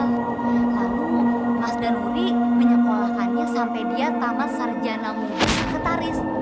lalu mas daruri menyekolahkannya sampai dia tamat sarjana sekretaris